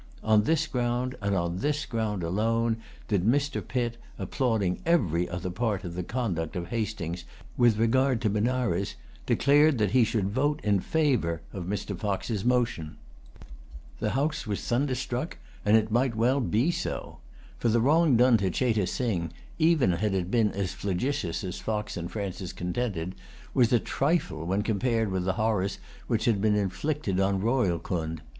On this ground, and on this ground alone, did Mr. Pitt, applauding every other part of the conduct of Hastings with regard to Benares, declare that he should vote in favor of Mr. Fox's motion. The House was thunderstruck; and it well might be so. For the wrong done to Cheyte Sing, even had it been as flagitious as Fox and Francis contended, was a trifle when compared with the horrors which had been inflicted on Rohilcund.